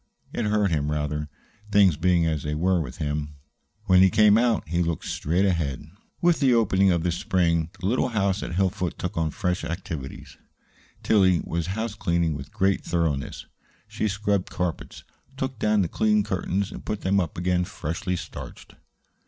It hurt him, rather things being as they were with him. When he came out he looked straight ahead. With the opening of spring the little house at Hillfoot took on fresh activities. Tillie was house cleaning with great thoroughness. She scrubbed carpets, took down the clean curtains, and put them up again freshly starched.